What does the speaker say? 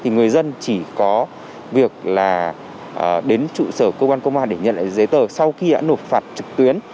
người dân chỉ có việc là đến trụ sở cơ quan công an để nhận giấy tờ sau khi đã nộp phạt trực tuyến